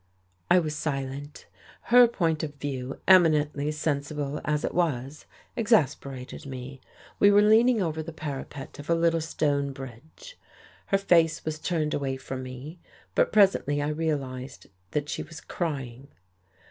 I was silent. Her point of view, eminently sensible as it was, exasperated me. We were leaning over the parapet of a little stone bridge. Her face was turned away from me, but presently I realized that she was crying.